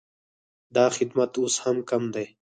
دا خدمت اوس هم کم دی